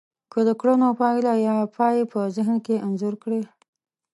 که د کړنو پايله يا پای په ذهن کې انځور کړی.